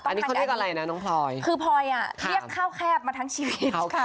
ตอนนี้เขาเรียกอะไรนะน้องพลอยคือพลอยอ่ะเรียกข้าวแคบมาทั้งชีวิต